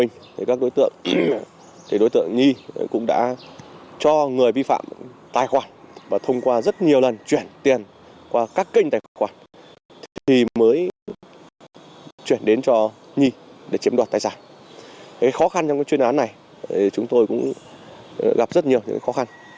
nhi cũng gặp rất nhiều khó khăn trong chuyên án này